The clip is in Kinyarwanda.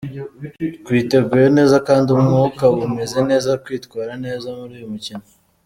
Twiteguye neza kandi umwuka umeze neza kwitwara neza muri uyu mukino.